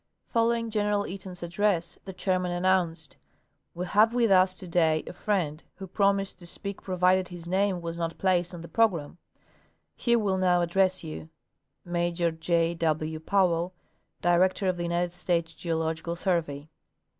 Following General Eaton's address the Chairman announced : We have with us to day a friend who promised to speak pro vided his name was not placed on the program. He will now address you; Major J. W. Powell, Director of the United States Geological Survey.